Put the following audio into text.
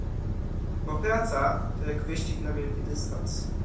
"Bo praca, to jak wyścig na wielki dystans."